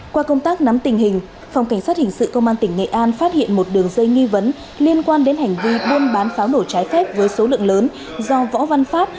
qua công tác nắm tình hình phòng cảnh sát hình sự công an tỉnh nghệ an phát hiện một đường dây nghi vấn liên quan đến hành vi buôn bán pháo nổ trái phép với số lượng lớn do võ văn pháp